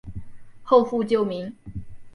后复旧名。